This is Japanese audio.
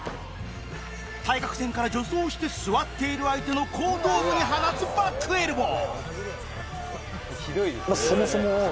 対角線から助走して座っている相手の後頭部に放つバックエルボー